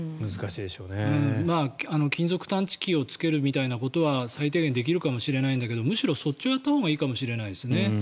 金属探知機をつけるみたいなことは最低限できるかもしれないけどむしろそっちをやったほうがいいかもしれないですね。